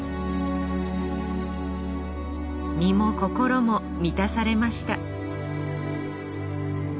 身も心も満たされました